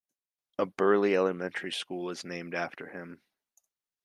A Burley elementary school is named after him.